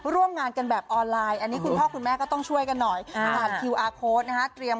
ร่วมงานกันแบบออนไลน์